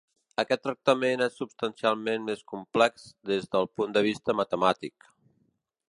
Aquest tractament és substancialment més complex des del punt de vista matemàtic.